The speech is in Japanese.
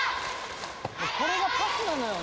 これがパスなのよね。